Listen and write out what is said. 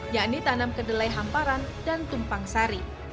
yakni tanam kedelai hamparan dan tumpang sari